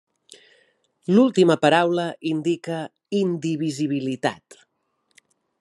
L'última paraula indica indivisibilitat.